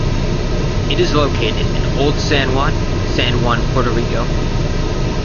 It is located in Old San Juan, San Juan, Puerto Rico.